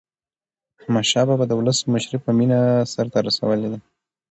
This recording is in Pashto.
احمدشاه بابا د ولس مشري په مینه سرته رسولې ده.